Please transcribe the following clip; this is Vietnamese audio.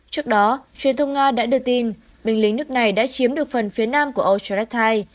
trước đó truyền thông nga đã đưa tin binh lính nước này đã chiếm được phần phía nam của ocherestite